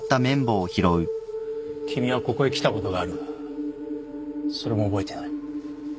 君はここへ来たことがあるがそれも覚えてない？